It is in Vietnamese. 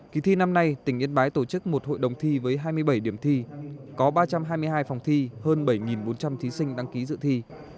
kỳ thi năm nay tỉnh yên bái tổ chức một hội đồng thi với hai mươi bảy điểm thi có ba trăm hai mươi hai phòng thi hơn bảy bốn trăm linh thí sinh đăng ký dự thi